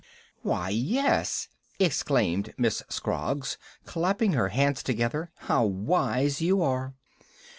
"Why, yes!" exclaimed Miss Scroggs, clapping her hands together. "How wise you are!"